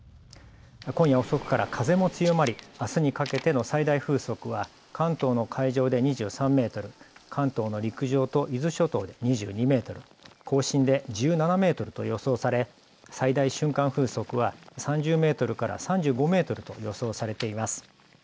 今夜遅くから風も強まりあすにかけての最大風速は関東の海上で２３メートル、関東の陸上と伊豆諸島で２２メートル、甲信で１７メートルと予想され最大瞬間風速は３０メートルから３５メートルと予想されています。